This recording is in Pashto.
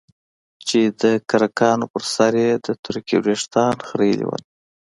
چې دکرکانو په سر يې د تورکي وريښتان خرييلي وو.